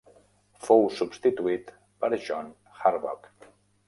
Fou substituït per John Harbaugh.